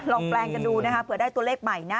ลองแปลงกันดูเผื่อได้ตัวเลขใหม่นะ